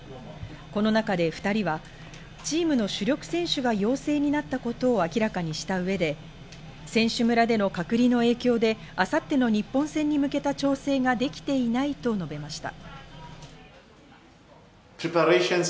この中で２人はチームの主力選手が陽性になったことを明らかにした上で、選手村での隔離の影響で明後日の日本戦に向けた調整ができていないと述べました。